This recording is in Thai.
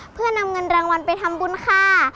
เพื่อนำเงินรางวัลไปทำบุญค่ะ